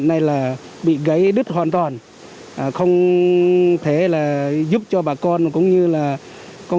giao thông đứt gãy hoàn toàn